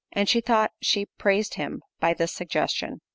And she thought she praised him by this suggestion.